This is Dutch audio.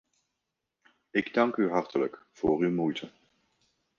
Ik dank u hartelijk voor uw moeite.